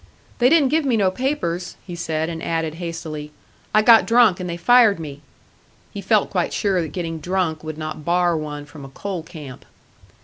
"They didn't give me no papers," he said, and added, hastily, "I got drunk and they fired me." He felt quite sure that getting drunk would not bar one from a coal camp.